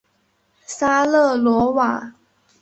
沙勒罗瓦。